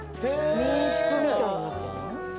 民宿みたいになってんの？